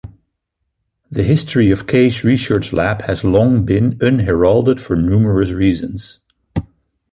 The history of Case Research Lab has long been unheralded for numerous reasons.